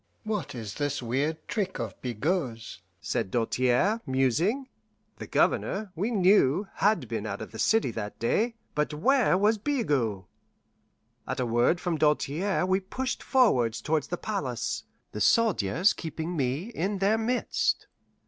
"What is this weird trick of Bigot's?" said Doltaire, musing. The Governor, we knew, had been out of the city that day. But where was Bigot? At a word from Doltaire we pushed forward towards the palace, the soldiers keeping me in their midst.